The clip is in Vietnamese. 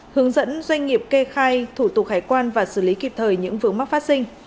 hướng dẫn doanh nghiệp kê khai thủ tục hải quan và xử lý kịp thời những vướng mắc phát sinh